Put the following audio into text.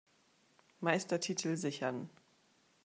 Meistertitel sichern.